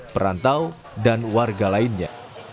perantau dan warga lainnya